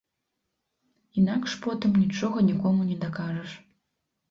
Інакш потым нічога нікому не дакажаш.